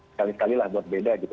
sekali sekalilah buat beda gitu